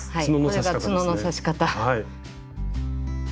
これがつのの刺し方。